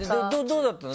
どうだったの？